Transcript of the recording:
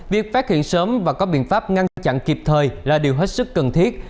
việc phát hiện sớm và có biện pháp ngăn chặn kịp thời là điều hết sức cần thiết